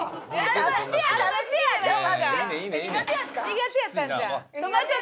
苦手やったんちゃう？